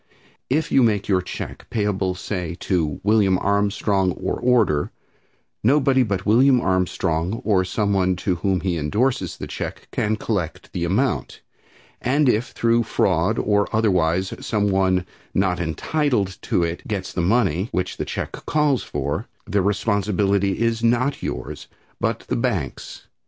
If you make your check payable say, to William Armstrong or order, nobody but William Armstrong, or some one to whom he indorses the check, can collect the amount, and if through fraud or otherwise some one not entitled to it gets the money which the check calls for, the responsibility is not yours, but the bank's.